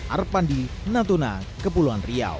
arpandi natuna kepulauan riau